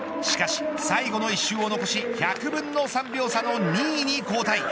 しかし、最後の１周を残し１００分の３秒差の２位に後退。